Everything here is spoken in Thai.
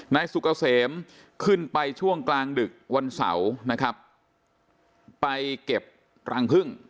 นายสุกเสมอขึ้นไปช่วงกลางดึกวันเสาร์ไปเก็บรังผึ้ง